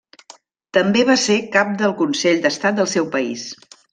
També va ser cap del Consell d'Estat del seu país.